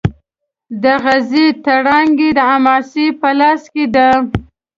د غزې تړانګه د حماس په لاس کې ده.